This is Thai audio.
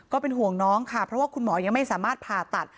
ก็เป็นห่วงน้องค่ะเพราะว่าคุณหมอยังไม่สามารถผ่าตัด